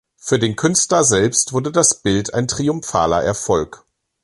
Für den Künstler selbst wurde das Bild ein triumphaler Erfolg.